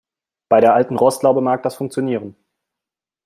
Bei der alten Rostlaube mag das funktionieren.